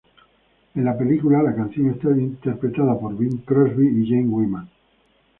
En la película la canción está interpretada por Bing Crosby y Jane Wyman.